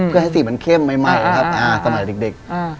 เพื่อให้สีมันเข้มใหม่ครับสมัยเด็ก